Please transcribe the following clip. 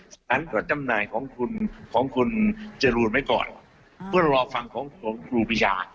สารต่อจำหน่ายของคุณจรูนไว้ก่อนเพื่อรอฟังของครูปีชา